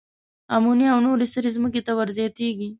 آمونیا او نورې سرې ځمکې ته ور زیاتیږي.